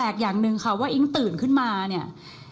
อย่างหนึ่งค่ะว่าอิ๊งตื่นขึ้นมาเนี่ย